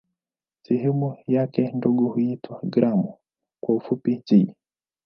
Sehemu yake ndogo huitwa "gramu" kwa kifupi "g".